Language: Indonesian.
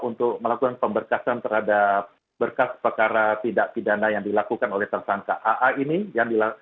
untuk melakukan pemberkasan terhadap berkas perkara tindak pidana yang dilakukan oleh tersangka aa ini